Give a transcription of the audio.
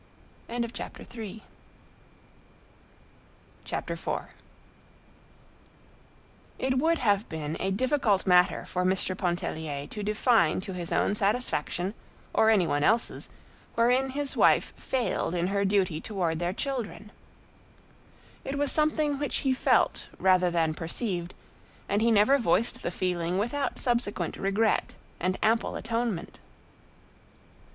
IV It would have been a difficult matter for Mr. Pontellier to define to his own satisfaction or any one else's wherein his wife failed in her duty toward their children. It was something which he felt rather than perceived, and he never voiced the feeling without subsequent regret and ample atonement.